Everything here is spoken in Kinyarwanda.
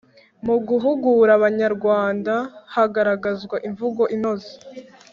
Mu guhugura Abanyarwanda, hagaragazwa imvugo inoze